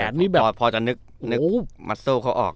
เออพอจะนึกมัสเซิลเขาออก